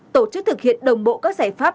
tổ chức thực hiện đồng bộ các giải pháp